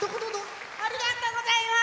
ありがとうございます！